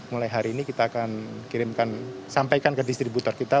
mulai hari ini kita akan kirimkan sampaikan ke distributor kita